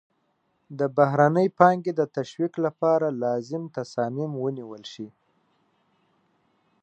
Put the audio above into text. د بهرنۍ پانګې د تشویق لپاره لازم تصامیم ونیول شي.